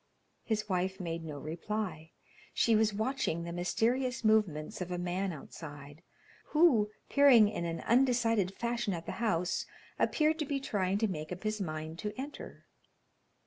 His wife made no reply. She was watching the mysterious movements of a man outside, who, peering in an undecided fashion at the house, appeared to be trying to make up his mind to enter.